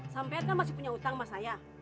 sampean kan masih punya utang sama saya